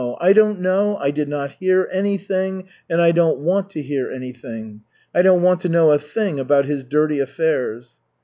I don't know, I did not hear anything, and I don't want to hear anything. I don't want to know a thing about his dirty affairs."